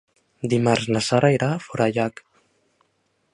Dimarts na Sara irà a Forallac.